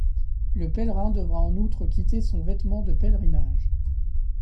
Le pèlerin devra en outre quitter son vêtement de pèlerinage.